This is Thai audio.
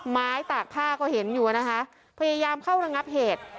ตากผ้าก็เห็นอยู่นะคะพยายามเข้าระงับเหตุ